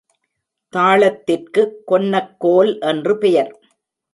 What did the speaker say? தாளத்திற்கு கொன்னக்கோல் என்று பெயர்